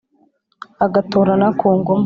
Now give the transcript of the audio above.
agatorana kugoma.